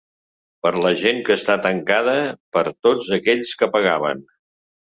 Per la gent que està tancada, per tots aquells que pegaven.